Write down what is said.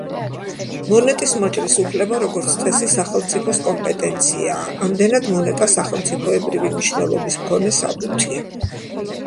მონეტის მოჭრის უფლება, როგორც წესი, სახელმწიფოს კომპეტენციაა; ამდენად, მონეტა სახელმწიფოებრივი მნიშვნელობის მქონე საბუთია.